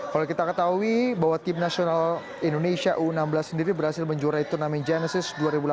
kalau kita ketahui bahwa tim nasional indonesia u enam belas sendiri berhasil menjuarai turnamen genesis dua ribu delapan belas